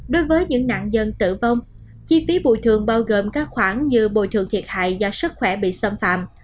đối với những nạn nhân tử vong chi phí bồi thường bao gồm các khoản như bồi thường thiệt hại do sức khỏe bị xâm phạm